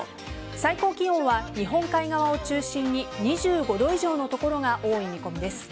最高気温は日本海側を中心に２５度くらいの所が多い見込みです。